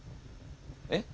えっ？